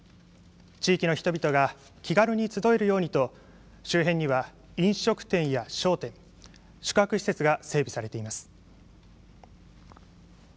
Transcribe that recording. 地域の人々が気軽に集えるようにと周辺には飲食店や商店、宿泊施設が整備されています。